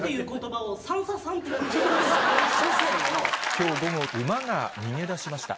今日午後馬が逃げ出しました。